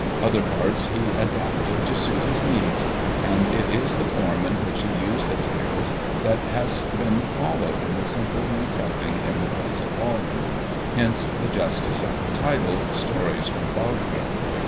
Other parts he adapted to suit his needs. And it is the form in which he used the tales that has been followed in the simple retelling in the present volume; hence the justice of the title—"Stories from Wagner."